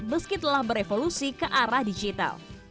meski telah berevolusi ke arah digital